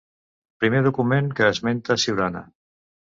Primer document que esmenta Siurana.